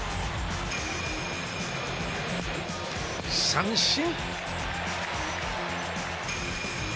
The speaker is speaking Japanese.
三振！